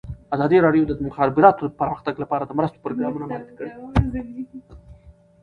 ازادي راډیو د د مخابراتو پرمختګ لپاره د مرستو پروګرامونه معرفي کړي.